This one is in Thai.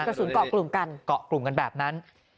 กระสุนเกาะกลุ่มกันเกาะกลุ่มกันแบบนั้น